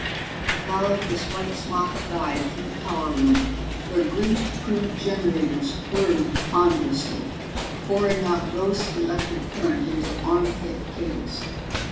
He followed his white smocked guide through a power room where great crude generators whirred ponderously, pouring out gross electric current into arm thick cables.